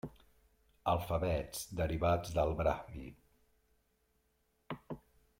Alfabets derivats del Brahmi.